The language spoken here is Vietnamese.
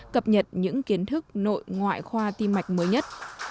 cập nhật những kiến thức nội ngoại khoa tim mạch mới nhất